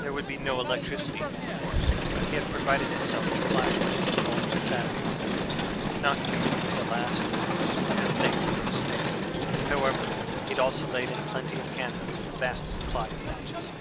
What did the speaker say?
There would be no electricity, of course, but he had provided himself with flashlights and bulbs and batteries not too many of the last, of course, because they'd grow stale. However, he'd also laid in plenty of candles and a vast supply of matches....